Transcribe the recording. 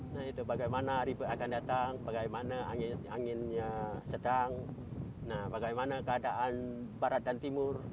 nah itu bagaimana ribet akan datang bagaimana anginnya sedang bagaimana keadaan barat dan timur